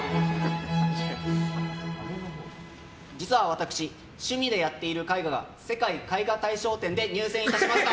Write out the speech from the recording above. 実は私、趣味でやっている絵画が世界絵画大賞展で入選いたしました。